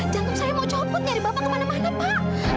jantung saya mau cabut nyari bapak kemana mana pak